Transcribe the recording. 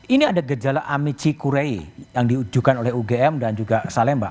ini ada gejala amici kurei yang diujukan oleh ugm dan juga salemba